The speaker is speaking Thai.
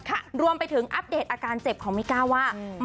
ค่ะรวมไปถึงอัปเดตอาการเจ็บของมิก้าว่าอืม